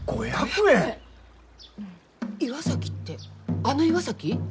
岩崎ってあの岩崎？